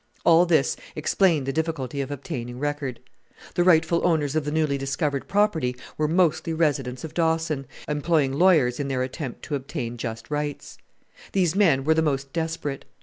All this explained the difficulty of obtaining record. The rightful owners of the newly discovered property were mostly residents of Dawson, employing lawyers in their attempt to obtain just rights. These men were the most desperate.